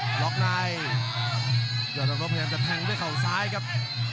รอบนายยอดอังโลกพยายามจะแทงด้วยเขาซ้ายครับ